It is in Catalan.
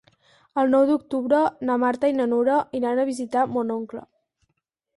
El nou d'octubre na Marta i na Nura iran a visitar mon oncle.